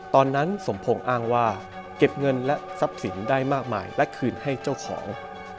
ตอนนั้นสมพงศ์อ้างว่าเก็บเงินและทรัพย์สินได้มากมายและคืนให้เจ้าของ